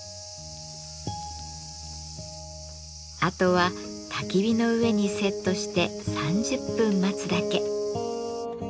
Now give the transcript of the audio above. あとはたき火の上にセットして３０分待つだけ。